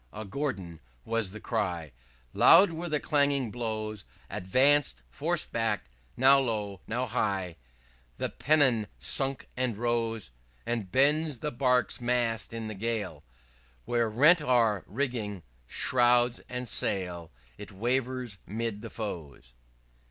a Gordon!_ was the cry; _Loud were _the clanging blows: _Advanced forced back now low, now high, _The pennon sunk and rose; As bends the bark's mast in the gale When rent are rigging, shrouds and sail, It wavered 'mid the foes."